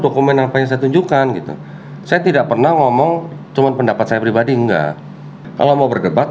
dokumen apa yang saya tunjukkan gitu saya tidak pernah ngomong cuman pendapat saya pribadi enggak kalau mau berdebat